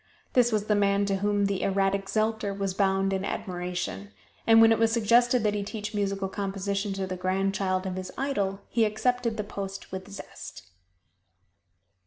This was the man to whom the erratic Zelter was bound in admiration, and when it was suggested that he teach musical composition to the grandchild of his idol, he accepted the post with zest.